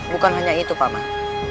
bukan hanya itu paman